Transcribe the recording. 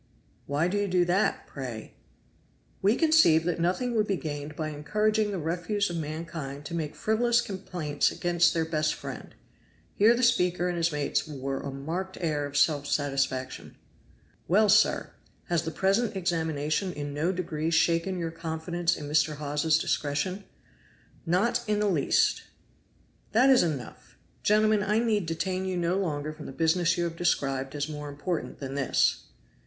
"Why do you do that, pray?" "We conceive that nothing would be gained by encouraging the refuse of mankind to make frivolous complaints against their best friend." Here the speaker and his mates wore a marked air of self satisfaction. "Well, sir! has the present examination in no degree shaken your confidence in Mr. Hawes's discretion?" "Not in the least." "Nor in your own mode of scrutinizing his acts?" "Not in the least." "That is enough! Gentlemen, I need detain you no longer from the business you have described as more important than this!"